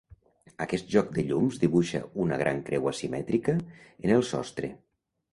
Aquest joc de llums dibuixa una gran creu asimètrica en el sostre.